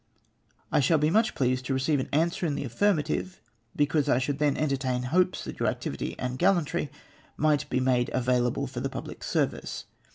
" I shall be much pleased to receive an answer in the affirmative, because I should then entertain hopes that your activity and gallantry might be made available for the public service.